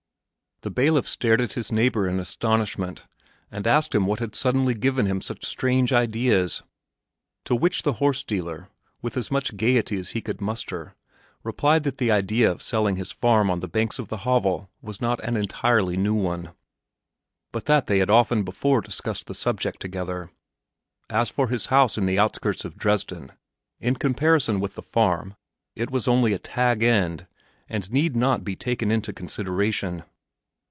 The bailiff stared at his neighbor in astonishment and asked him what had suddenly given him such strange ideas; to which the horse dealer, with as much gaiety as he could muster, replied that the idea of selling his farm on the banks of the Havel was not an entirely new one, but that they had often before discussed the subject together. As for his house in the outskirts of Dresden in comparison with the farm it was only a tag end and need not be taken into consideration.